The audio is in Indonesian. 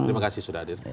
terima kasih sudah dir